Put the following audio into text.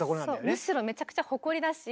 むしろめちゃくちゃ誇りだし。